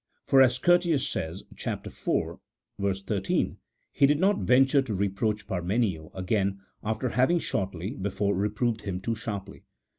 For, as Curtius says (iv. § 13), he did not venture to re proach Parmenio again after having shortly before reproved him too sharply.